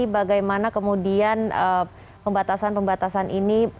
bagaimana kemudian pembatasan pembatasan ini